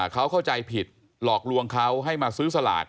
เขาเข้าใจผิดหลอกลวงเขาให้มาซื้อสลาก